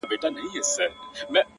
ستا تر ځوانۍ بلا گردان سمه زه ـ